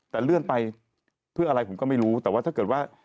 แต่เลื่อนไปเพื่ออะไรผมก็ไม่รู้แต่ว่าถ้าเกิดว่า